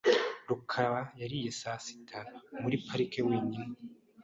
rukara yariye saa sita muri parike wenyine .